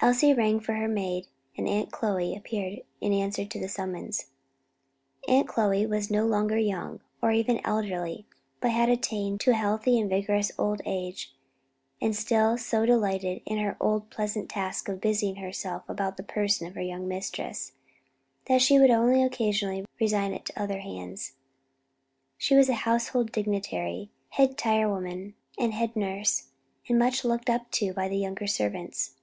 Elsie rang for her maid and Aunt Chloe appeared in answer to the summons. Aunt Chloe was no longer young, or even elderly, but had attained to a healthy and vigorous old age and still so delighted in her old pleasant task of busying herself about the person of her young mistress, that she would only occasionally resign it to other hands. She was a household dignitary, head tire woman, and head nurse, and much looked up to by the younger servants.